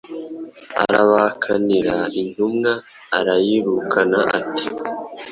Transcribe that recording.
arabahakanira, intumwa arayirukana ati: